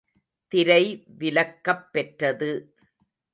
திரை விலக்கப் பெற்றது.